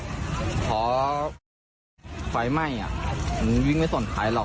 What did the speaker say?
อเจมส์เพราะไฟไหม้อ่ะมึงวิ่งไม่สนใครหรอก